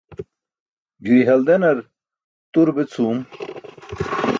Giri haldenar tur be cʰuum.